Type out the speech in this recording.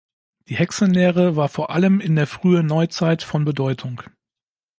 Die Hexenlehre war vor allem in der Frühen Neuzeit von Bedeutung.